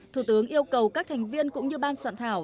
thủ tướng yêu cầu các thành viên cũng như ban soạn thảo